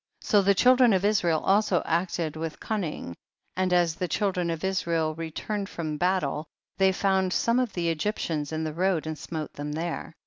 43. So the children of Israel also acted with cunning, and as the chil dren of Israel returned from battle, they found some of the Egyptians in the road and smote them there.